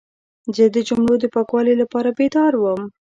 زه د جملو د پاکوالي لپاره بیدار وم.